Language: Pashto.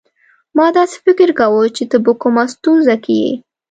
ما داسي فکر کاوه چي ته په کومه ستونزه کې يې.